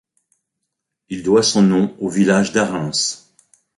Il doit son nom au village d'Arrens.